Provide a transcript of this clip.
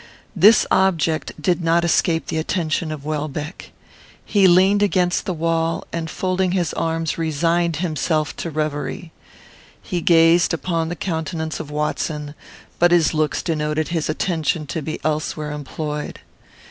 This object did not escape the attention of Welbeck. He leaned against the wall, and, folding his arms, resigned himself to reverie. He gazed upon the countenance of Watson, but his looks denoted his attention to be elsewhere employed.